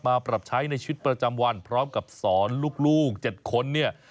ปรับใช้ในชีวิตประจำวันพร้อมกับสอนลูก๗คนเนี่ย